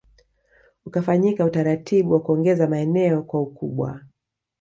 Ukafanyika utaratibu wa kuongeza maeneo kwa ukubwa